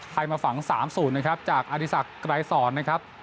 ไทยมาฝังสามศูนย์นะครับจากอธิสักรายศรนะครับ